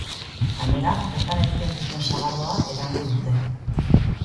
Gainera, bertan egiten duten sagardoa edango dute.